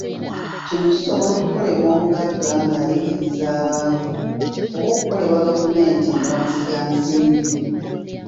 Kino kisobola okukolebwa omugagga ng'anyigiriza abaavu oba okukolebwa gavumenti ne bamusigansimbi.